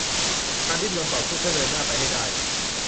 การดิ้นรนต่อสู้เพื่อเดินหน้าไปให้ได้